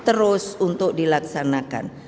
terus untuk dilaksanakan